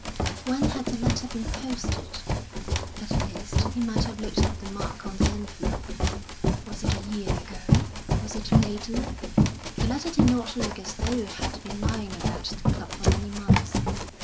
When had the letter been posted? At least, he might have looked at the mark on the envelope. Was it a year ago? Was it lately? The letter did not look as though it had been lying about the club for many months.